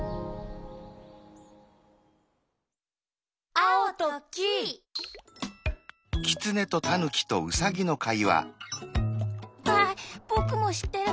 ああぼくもしってる。